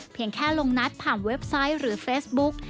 เพียงแค่ลงนัดผ่านเว็บไซต์หรือเฟซบุ๊ก